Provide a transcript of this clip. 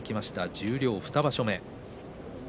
十両２場所目。